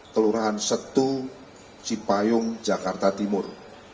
kelurahan setu cipayung jakarta timur